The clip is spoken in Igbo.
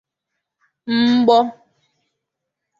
mgbọ